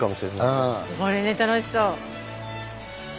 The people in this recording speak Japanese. これね楽しそう。